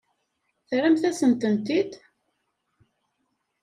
Terramt-asen-tent-id.